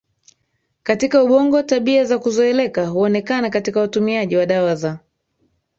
katika ubongo Tabia za kuzoeleka huonekana katika watumiaji wa dawa za